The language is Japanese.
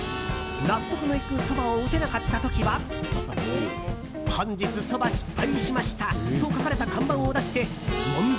納得のいくそばを打てなかった時は「本日そば失敗しました」と書かれた看板を出して問答